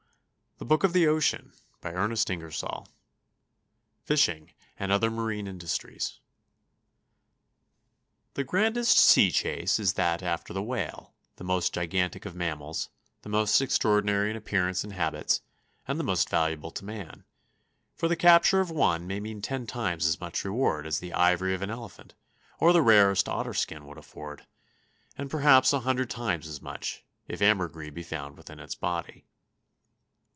[Illustration: THE SELF RIGHTING LIFE BOAT.] CHAPTER XI FISHING AND OTHER MARINE INDUSTRIES The grandest sea chase is that after the whale—the most gigantic of mammals, the most extraordinary in appearance and habits, and the most valuable to man, for the capture of one may mean ten times as much reward as the ivory of an elephant or the rarest otter skin would afford, and perhaps a hundred times as much, if ambergris be found within its body.